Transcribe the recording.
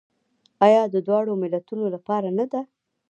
آیا د دواړو ملتونو لپاره نه ده؟